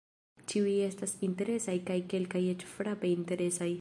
Ĉiuj estas interesaj kaj kelkaj eĉ frape interesaj.